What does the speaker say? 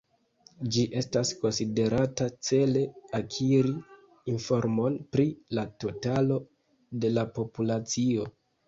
Ĝi estas konsiderata cele akiri informon pri la totalo de la populacio.